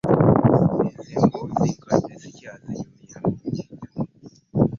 Ezo mboozi nkadde ssikyazinyumya.